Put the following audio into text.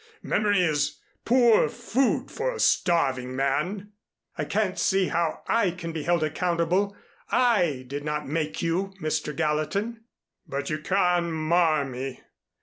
Memory is poor food for a starving man." "I can't see how I can be held accountable. I did not make you, Mr. Gallatin." "But you can mar me.